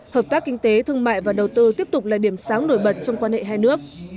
hợp tác kinh tế thương mại và đầu tư tiếp tục là điểm sáng nổi bật trong quan hệ hai nước